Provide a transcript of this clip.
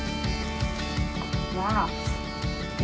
わあ！